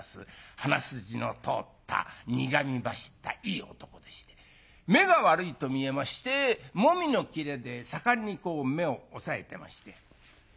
鼻筋の通った苦み走ったいい男でして目が悪いと見えまして紅絹の布で盛んにこう目を押さえてまして。